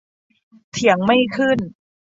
เถียงไม่ขึ้น